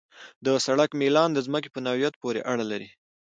د سړک میلان د ځمکې په نوعیت پورې اړه لري